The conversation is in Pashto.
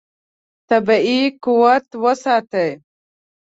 طبیعي قوت وساتئ.